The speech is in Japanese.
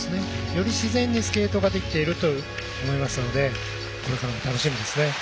より自然にスケートができていると思いますのでこれからも楽しみですね。